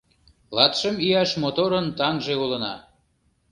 Латшым ияш моторын таҥже улына.